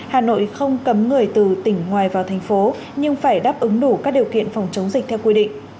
hà nội không cấm người từ tỉnh ngoài vào thành phố nhưng phải đáp ứng đủ các điều kiện phòng chống dịch theo quy định